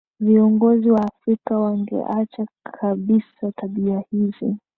viongozi wa afrika wangeacha kabisa tabia hizi